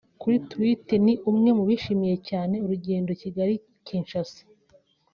kuri Twitter ni umwe mu bishimiye cyane urugendo Kigali-Kinshasa